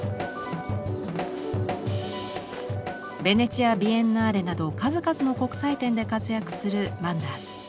ベネチア・ビエンナーレなど数々の国際展で活躍するマンダース。